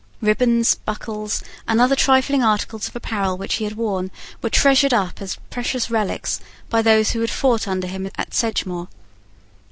Ribands, buckles, and other trifling articles of apparel which he had worn, were treasured up as precious relics by those who had fought under him at Sedgemoor.